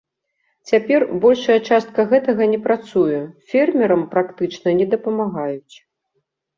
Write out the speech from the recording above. Цяпер большая частка гэтага не працуе, фермерам практычна не дапамагаюць.